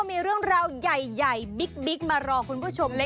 มีเรื่องราวใหญ่บิ๊กมารอคุณผู้ชมเล็ก